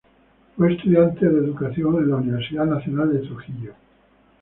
Fue estudiante de Educación en la Universidad Nacional de Trujillo.